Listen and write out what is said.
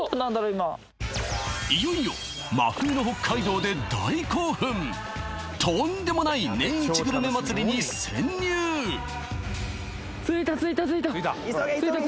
今いよいよ真冬の北海道で大興奮とんでもない年イチグルメ祭りに潜入ああ